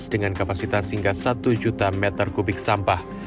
dengan kapasitas hingga satu juta meter kubik sampah